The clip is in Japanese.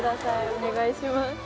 お願いします